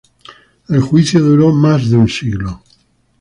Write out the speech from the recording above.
El juicio duró más de un siglo.